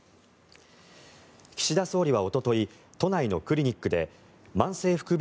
岸田総理は一昨日都内のクリニックで慢性副鼻腔